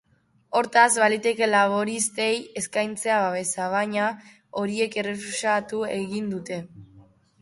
Hortaz, baliteke laboristei eskaintzea babesa, baina horiek errefusatu egin dute.